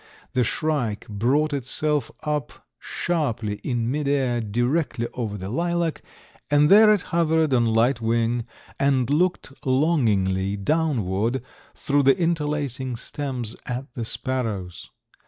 The shrike brought itself up sharply in midair directly over the lilac, and there it hovered on light wing and looked longingly downward through the interlacing stems at the sparrows.